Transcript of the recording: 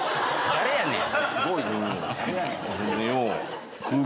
誰やねん！